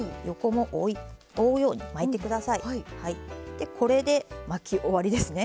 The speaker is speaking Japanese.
でこれで巻き終わりですね。